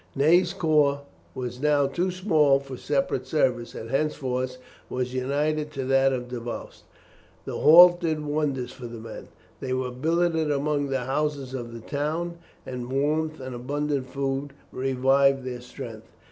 Ney's corps was now too small for separate service, and henceforth was united to that of Davoust. The halt did wonders for the men. They were billeted among the houses of the town, and warmth and abundant food revived their strength.